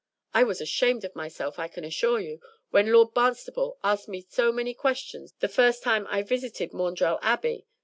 I was ashamed of myself, I can assure you, when Lord Barnstaple asked me so many questions the first time I visited Maundrell Abbey.